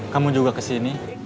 kamu juga kesini